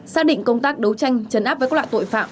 xác định công tác đấu tranh chấn áp với các loại tội phạm